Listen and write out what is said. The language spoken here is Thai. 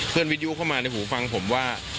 เพื่อนวิดิโอเข้ามาในหูฟังผมว่า